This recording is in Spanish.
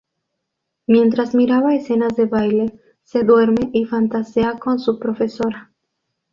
Mientras miraba escenas de baile se duerme y fantasea con su profesora.